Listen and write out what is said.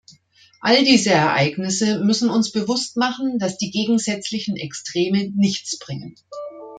All diese Ereignisse müssen uns bewusst machen, dass die gegensätzlichen Extreme nichts bringen.